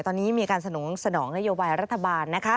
ตอนนี้มีการสนองนโยบายรัฐบาลนะคะ